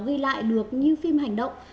đi lại được như phim hành động